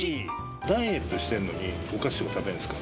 ダイエットしてんのにお菓子を食べんすか？